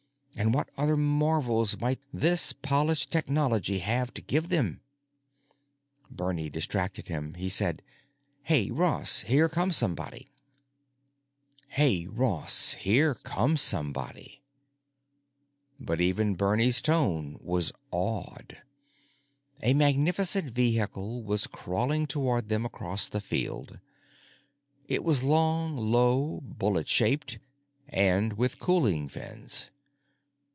And what other marvels might this polished technology have to give them.... Bernie distracted him. He said, "Hey, Ross. Here comes somebody." But even Bernie's tone was awed. A magnificent vehicle was crawling toward them across the field. It was long, low, bullet shaped—and with cooling fins.